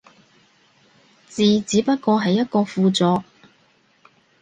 字只不過係一個輔助